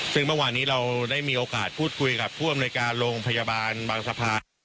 ซึ่งเมื่อวานนี้เราได้มีโอกาสพูดคุยกับผู้อำนวยการโรงพยาบาลบางสะพาน